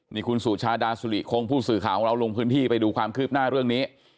นี่คุณสุชาดาสุริคงผู้สื่อข่าวของเราลงพื้นที่ไปดูความคืบหน้าเรื่องนี้